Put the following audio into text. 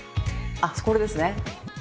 あっこれですか。